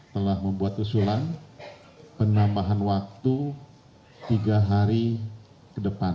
telah membuat usulan penambahan waktu tiga hari ke depan